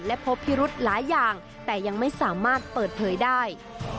และพบพิรุธหลายอย่างแต่ยังไม่สามารถเปิดเผยได้